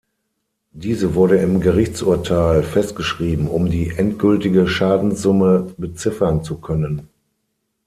Diese wurde im Gerichtsurteil festgeschrieben, um die endgültige Schadenssumme beziffern zu können.